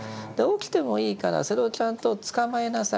起きてもいいからそれをちゃんとつかまえなさい。